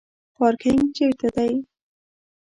پارکینګ چیرته دی؟